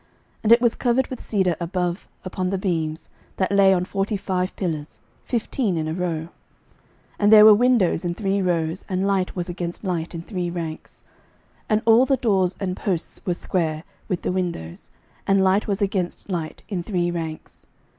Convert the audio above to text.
11:007:003 And it was covered with cedar above upon the beams, that lay on forty five pillars, fifteen in a row. 11:007:004 And there were windows in three rows, and light was against light in three ranks. 11:007:005 And all the doors and posts were square, with the windows: and light was against light in three ranks.